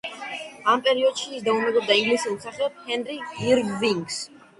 ამ პერიოდში ის დაუმეგობრდა ინგლისელ მსახიობ ჰენრი ირვინგს.